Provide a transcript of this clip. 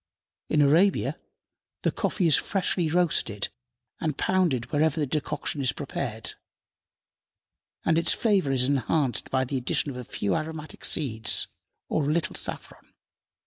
In Arabia the coffee is freshly roasted and pounded whenever the decoction is prepared, and its flavor is enhanced by the addition of a few aromatic seeds or a little saffron.